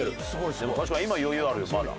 確かに今余裕あるよまだ。